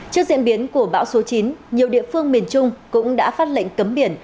trước diễn biến của bão số chín nhiều địa phương miền trung cũng đã phát lệnh cấm biển